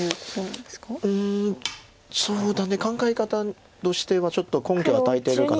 うんそうだね考え方としてはちょっと根拠与えてるから。